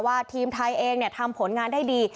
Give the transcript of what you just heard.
ทีมไทยเองทำผลงานได้ดี